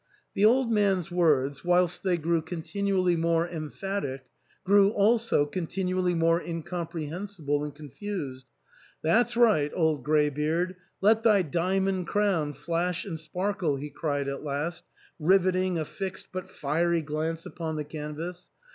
The old man's words, whilst they grew continually more em phatic, grew also continually more incomprehensible and confused. " That's right, old greybeard, let thy diamond crown flash and sparkle," he cried at last, rivet ing a fixed but fiery glance upon the canvas.